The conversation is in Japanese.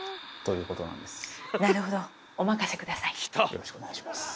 よろしくお願いします。